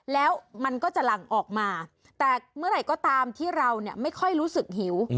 แล้วมันก็จะหลั่งออกมาแต่เมื่อไหร่ก็ตามที่เราเนี่ยไม่ค่อยรู้สึกหิว